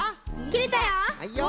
きれたよ。